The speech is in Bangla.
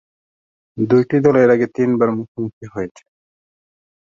দুইটি দল এর আগে তিনবার মুখোমুখি হয়েছে।